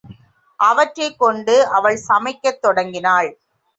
அவற்றைக் கொண்டு அவள் சமைக்கத் தொடங்கினாள்.